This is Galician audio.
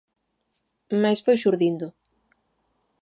Mais foi xurdindo.